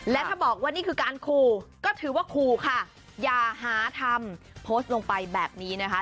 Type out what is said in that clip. และถ้าบอกว่านี่คือการขู่ก็ถือว่าขู่ค่ะอย่าหาทำโพสต์ลงไปแบบนี้นะคะ